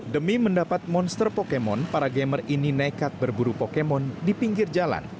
demi mendapat monster pokemon para gamer ini nekat berburu pokemon di pinggir jalan